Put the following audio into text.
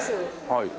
はい。